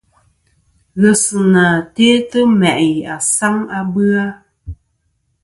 Ghesɨnà te'tɨ ma'i asaŋ a bɨ-a.